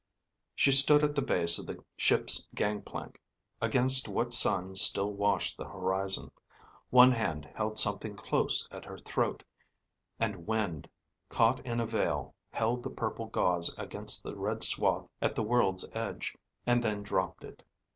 She stood at the base of the ship's gangplank, against what sun still washed the horizon. One hand held something close at her throat, and wind, caught in a veil, held the purple gauze against the red swath at the world's edge, and then dropped it.